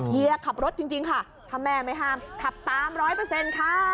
เฮียขับรถจริงค่ะถ้าแม่ไม่ห้ามขับตามร้อยเปอร์เซ็นต์ค่ะ